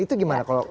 itu gimana kalau